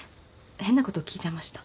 変なこと聞いちゃいました？